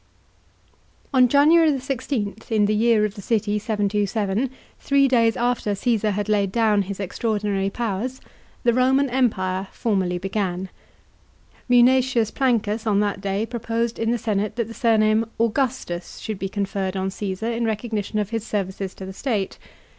On January 16, in the year of the city 727, three days after Caasar had laid down his extraordinary powers, the Roman Empire formally began. Muuatius Plancus on that day proposed in the senate that the surname Augustus should be conferred on Caesar in recog nition of his services to the state.